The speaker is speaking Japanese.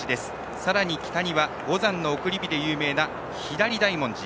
さらに北には五山の送り火で有名な左大文字。